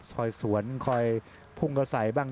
คอยสวนคอยพุ่งเข้าใส่บ้าง